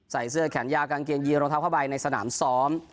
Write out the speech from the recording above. ใส่เสื้อแขนยาวกางเกงยีนรองเท้าผ้าใบในสนามซ้อม